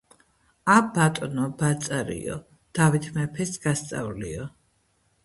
ა,ბატონო ბაწარიო, დავით მეფეს გასწავლიო.